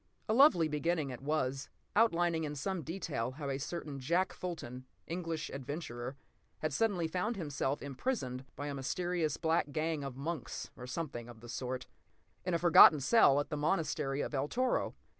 A lovely beginning it was, outlining in some detail how a certain Jack Fulton, English adventurer, had suddenly found himself imprisoned (by a mysterious black gang of monks, or something of the sort) in a forgotten cell at the monastery of El Toro.